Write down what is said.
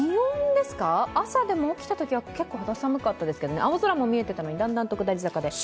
朝起きたときは結構肌寒かったですけど青空も見えてたのにだんだんと下り坂で。